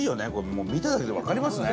もう、見ただけでわかりますね。